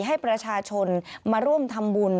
ให้ประชาชนมาร่วมทำบุญ